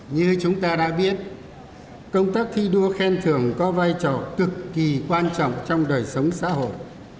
như chúng ta đã biết công tác thi đua khen thưởng có vai trò cực kỳ quan trọng trong đời sống xã hội